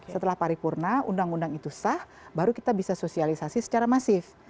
setelah paripurna undang undang itu sah baru kita bisa sosialisasi secara masif